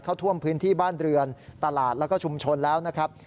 เข้าท่วมพื้นที่บ้านเรือนตลาดแล้วก็ชุมชนแล้วนะครับ